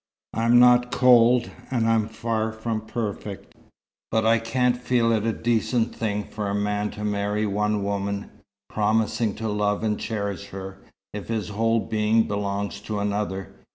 I'm not cold, and I'm far from perfect. But I can't feel it a decent thing for a man to marry one woman, promising to love and cherish her, if his whole being belongs to another.